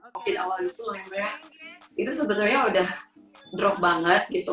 covid awal itu sebenarnya udah drop banget gitu